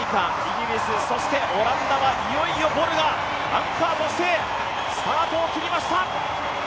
オランダはいよいよボルがアンカーとしてスタートを切りました。